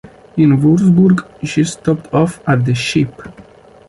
In Würzburg she stopped off at the “Ship”.